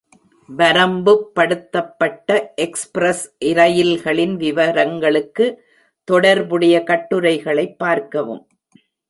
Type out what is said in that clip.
வரம்புப்படுத்தப்பட்ட express இரயில்களின் விவரங்களுக்கு, தொடர்புடைய கட்டுரைகளைப் பார்க்கவும்.